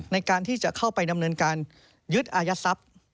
ในการที่จะเข้าไปดำเนินการยึดอายัดทรัพย์